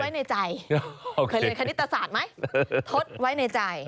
ไว้ในใจเคยเรียนคณิตศาสตร์ไหมทดไว้ในใจ